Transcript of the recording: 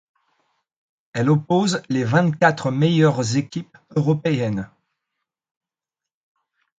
Elle oppose les vingt-quatre meilleures équipes européennes.